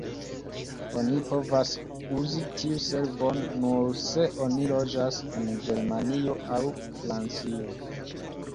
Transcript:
Oni povas uzi tiu servon nur se oni loĝas en Germanio aŭ Francio.